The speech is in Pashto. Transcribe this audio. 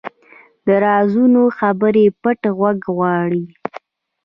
د رازونو خبرې پټه غوږ غواړي